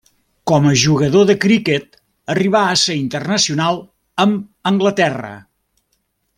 Com a jugador de criquet arribà a ser internacional amb Anglaterra.